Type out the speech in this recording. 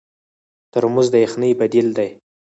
ترموز د یخنۍ بدیل دی.